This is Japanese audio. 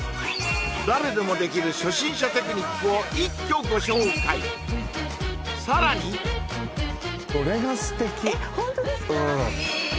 誰でもできる初心者テクニックを一挙ご紹介さらにえっ